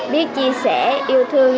biết chia sẻ yêu thương